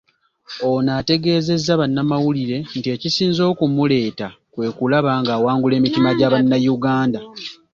Ono ategeezezza bannamawulire nti ekisinze okumuleeta kwe kulaba ng'awangula emitima gya Bannayuganda.